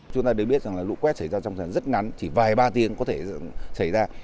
chúng ta đều biết rằng là lũ quét xảy ra trong rất ngắn chỉ vài ba tiếng có thể xảy ra